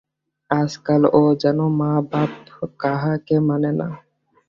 আজকাল ও যে মা বাপ কাহাকেও মানে না।